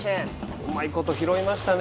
うまいこと拾いましたね